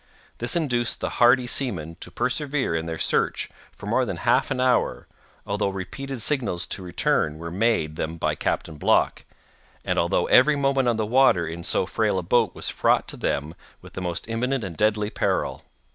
This induced the hardy seamen to persevere in their search for more than half an hour, although repeated signals to return were made them by Captain Block, and although every moment on the water in so frail a boat was fraught to them with the most imminent and deadly peril.